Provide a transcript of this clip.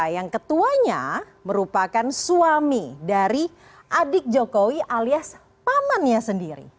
yang ketuanya merupakan suami dari adik jokowi alias pamannya sendiri